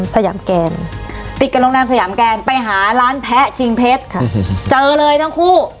สยามแกนติดกับโรงแรมสยามแกนไปหาร้านแพะชิงเพชรค่ะเจอเลยทั้งคู่